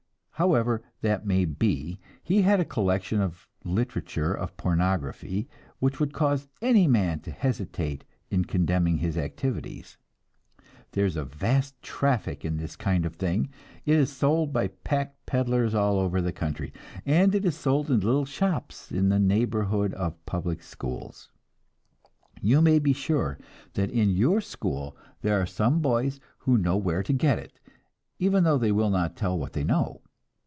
However that may be, he had a collection of the literature of pornography which would cause any man to hesitate in condemning his activities. There is a vast traffic in this kind of thing; it is sold by pack peddlers all over the country, and it is sold in little shops in the neighborhood of public schools. You may be sure that in your school there are some boys who know where to get it, even though they will not tell what they know.